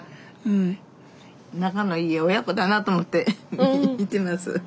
仲のいい親子だなと思って見てます。